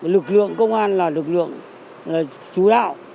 lực lượng công an là lực lượng chủ đạo